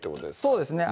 そうですね